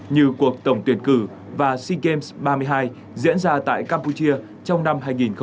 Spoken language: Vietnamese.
như cuộc tổng tuyển cử và sea games ba mươi hai diễn ra tại campuchia trong năm hai nghìn một mươi chín